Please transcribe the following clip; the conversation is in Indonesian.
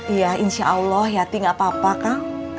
iya insya allah yati gak apa apa kang